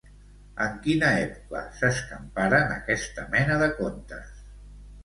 En quina època s'escamparen aquesta mena de contes?